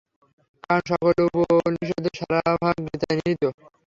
কারণ, সকল উপনিষদের সারভাগ গীতায় নিহিত।